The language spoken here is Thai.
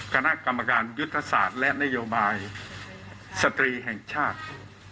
คณะกรรมการยุทธศาสตร์และนโยบายสตรีแห่งชาติ